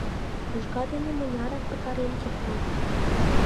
Йожга дене мынярак пытарен кертат?